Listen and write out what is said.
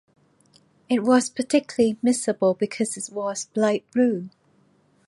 It was particularly unmissable because it was bright blue!